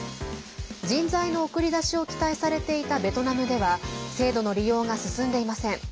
人材の送り出しを期待されていたベトナムでは制度の利用が進んでいません。